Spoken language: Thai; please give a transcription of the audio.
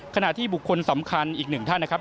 ขณะที่บุคคลสำคัญอีกหนึ่งท่านนะครับ